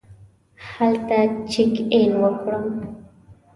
هلته چېک اېن وکړم.